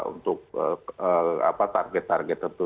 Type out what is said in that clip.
untuk target target tertentu